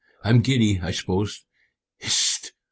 "I'm giddy, I suppose." "Hist!"